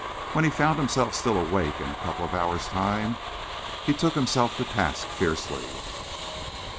When he found himself still awake in a couple of hours' time, he took himself to task fiercely.